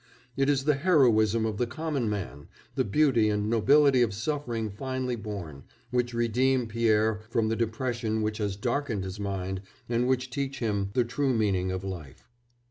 It is the heroism of the common man, the beauty and nobility of suffering finely borne, which redeem Pierre from the depression which has darkened his mind and which teach him the true meaning of life.